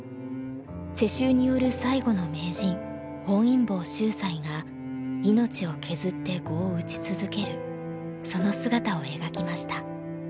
世襲による最後の名人本因坊秀哉が命を削って碁を打ち続けるその姿を描きました。